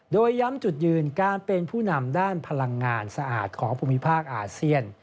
โดยย้ำจุดยืนการเป็นผู้นำด้านพลังงานสะอาดของภูมิภาคอาเซียน